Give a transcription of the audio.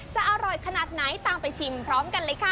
จะอร่อยขนาดไหนตามไปชิมพร้อมกันเลยค่ะ